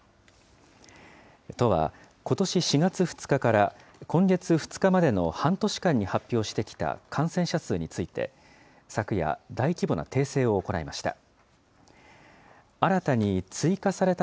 都はことし４月２日から今月２日までの半年間に発表してきた感染者数について、昨夜、大規模な訂正を行いました。